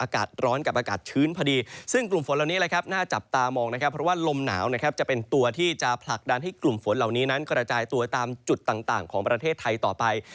กระจายตัวในจุดต่างของประเทศไทยต่อไป